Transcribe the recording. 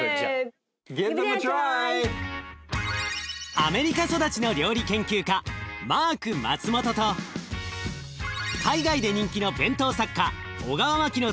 アメリカ育ちの料理研究家マーク・マツモトと海外で人気の弁当作家小川真樹のつくる